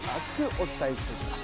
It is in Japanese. お伝えしていきます。